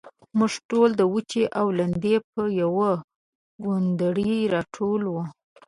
موږ ټول د وچې او لندې پر يوه کوندرې راټول وو.